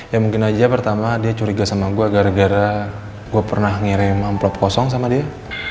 ya mungkin aja pertama dia curiga sama gue gara gara gue pernah ngirim amplop kosong sama dia